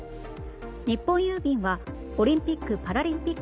日本郵便はオリンピック・パラリンピック